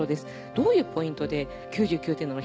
「どういうポイントで９９点なの？